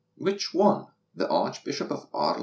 Which one? The Archbishop of Arle?